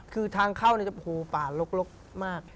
คือทางเข้าจะโหป่าลกมาก